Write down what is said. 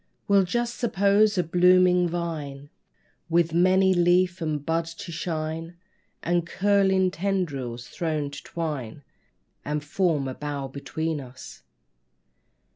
We'll just suppose a blooming vine With many leaf and bud to shine, And curling tendrils thrown to twine And form a bower, between us.